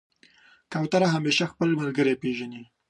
کوتره همیشه خپل ملګری پېژني.